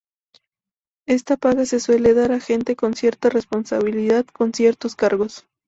Esta paga se suele dar a gente con cierta responsabilidad, con ciertos cargos.